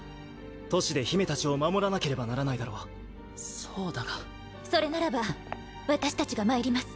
都市で姫たちを守らなければならないだろそうだが（エスメラル私たちが参ります